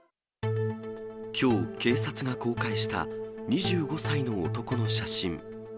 きょう、警察が公開した、２５歳の男の写真。